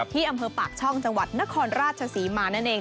อำเภอปากช่องจังหวัดนครราชศรีมานั่นเอง